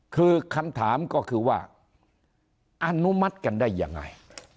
คือคำถามก็คือว่าอนุมัติกันได้ยังไง